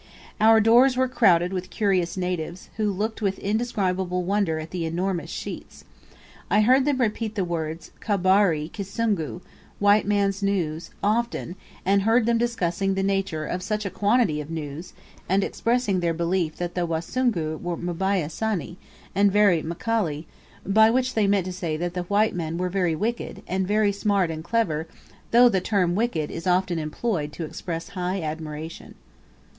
Our doors were crowded with curious natives, who looked with indescribable wonder at the enormous sheets. I heard them repeat the words, "Khabari Kisungu" white man's news often, and heard them discussing the nature of such a quantity of news, and expressing their belief that the "Wasungu" were "mbyah sana," and very "mkali;" by which they meant to say that the white men were very wicked, and very smart and clever though the term wicked is often employed to express high admiration.